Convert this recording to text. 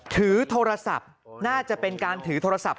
ถือโทรศัพท์น่าจะเป็นการถือโทรศัพท์